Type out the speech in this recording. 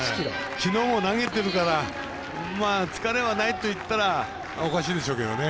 きのうも投げてるから疲れはないといったらおかしいでしょうけどね。